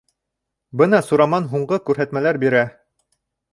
Бына Сураман һуңғы күрһәтмәләр бирә.